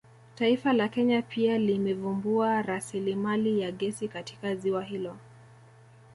Taifa la Kenya pia limevumbua rasilimali ya gesi katika ziwa hilo